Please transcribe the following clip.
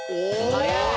早い！